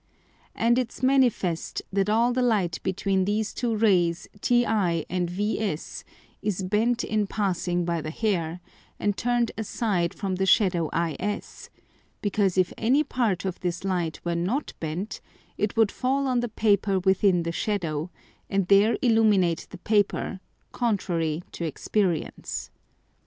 And it's manifest that all the Light between these two Rays TI and VS is bent in passing by the Hair, and turned aside from the Shadow IS, because if any part of this Light were not bent it would fall on the Paper within the Shadow, and there illuminate the Paper, contrary to experience.